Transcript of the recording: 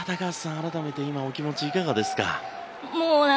改めてお気持ちいかがですか。